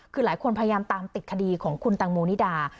คือหลายคนพยายามตามติดคดีของคุณตังโมนิดา